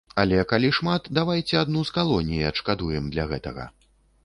Але калі шмат, давайце адну з калоній адшкадуем для гэтага.